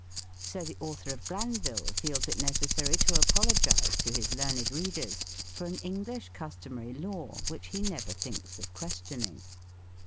2 So the author of Glanvill feels it necessary to apologize to his learned readers for an English customary law which he never thinks of questioning.